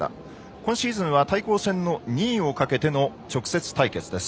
今シーズンは対抗戦の２位をかけての直接対決です。